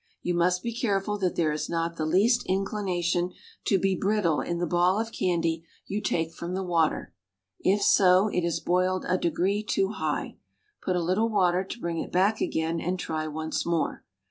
You must be careful that there is not the least inclination to be brittle in the ball of candy you take from the water; if so, it is boiled a degree too high; put a little water to bring it back again, and try once more.